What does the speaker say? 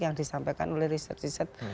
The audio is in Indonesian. yang disampaikan oleh riset riset